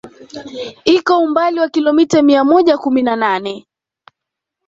Iko umbali wa kilomita mia moja kumi na nane